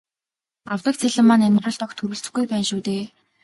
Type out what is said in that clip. Авдаг цалин маань амьдралд огт хүрэлцэхгүй байна шүү дээ.